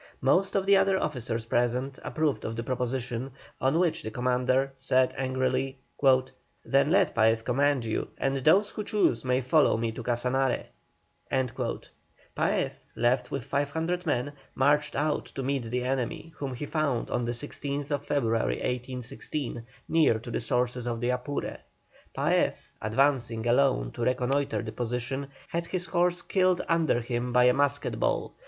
Most of the other officers present approved of the proposition, on which the commander said angrily, "Then let Paez command you, and those who choose may follow me to Casanare." Paez, left with 500 men, marched out to meet the enemy, whom he found on the 16th February, 1816, near to the sources of the Apure. Paez, advancing alone to reconnoitre the position, had his horse killed under him by a musket ball.